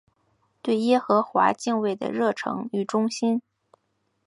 对耶和华敬畏的热诚与忠心。